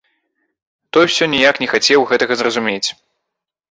Той усё ніяк не хацеў гэтага зразумець.